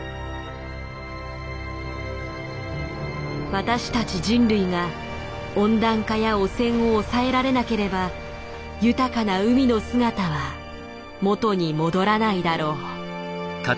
私たち人類が温暖化や汚染を抑えられなければ豊かな海の姿はもとに戻らないだろう。